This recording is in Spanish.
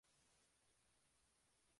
Resultando un edificio muy funcional.